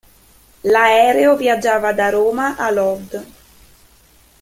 L'aereo viaggiava da Roma a Lod.